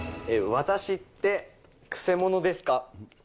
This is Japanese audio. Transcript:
私ってくせ者ですか？